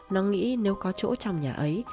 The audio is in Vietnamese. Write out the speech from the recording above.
nó nghĩ nếu có chỗ trong nhà ấy